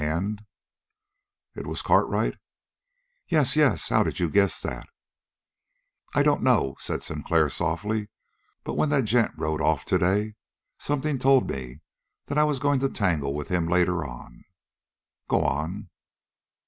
And " "It was Cartwright!" "Yes, yes. How did you guess that?" "I dunno," said Sinclair softly, "but when that gent rode off today, something told me that I was going to tangle with him later on. Go on!"